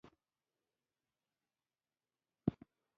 چې د افغان وطن هويت او عزت وساتي.